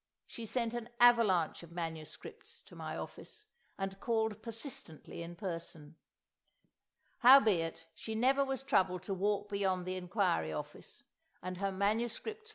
She sent an avalanche of MSS. to my office, and called persistently in person. Howbeit, she never was troubled to walk beyond the inquiry office, and her MSS.